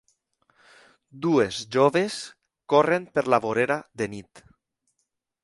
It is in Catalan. Dues joves corren per la vorera de nit.